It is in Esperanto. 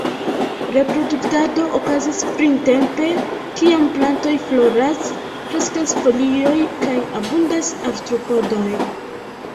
Reproduktado okazas printempe kiam plantoj floras, kreskas folioj kaj abundas artropodoj.